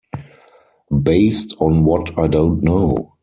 Based on what I don't know.